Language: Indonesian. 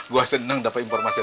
gue senang dapat informasi